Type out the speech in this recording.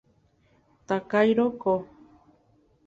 Takahiro Ko